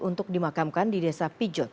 untuk dimakamkan di desa pijot